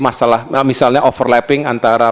masalah misalnya overlapping antara